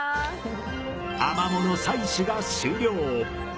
アマモの採取が終了。